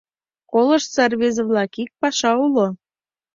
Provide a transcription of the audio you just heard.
«Колыштса, рвезе-влак, ик паша уло...»